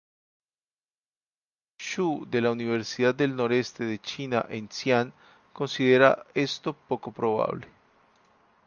Shu de la Universidad del noroeste de China en Xi'an, considera esto poco probable.